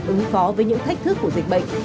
ứng phó với những thách thức của dịch bệnh